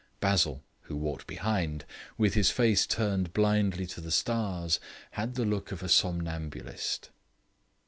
Basil, who walked behind, with his face turned blindly to the stars, had the look of a somnambulist.